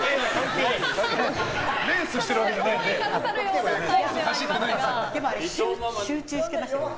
レースをしてるわけじゃないから。